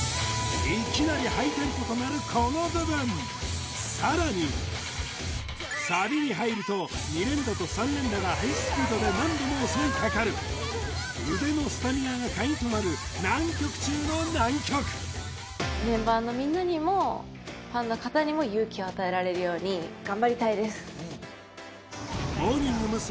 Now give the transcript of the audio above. いきなりハイテンポとなるこの部分さらにサビに入ると２連打と３連打がハイスピードで何度も襲いかかる腕のスタミナが鍵となる難曲中の難曲メンバーのみんなにもモーニング娘。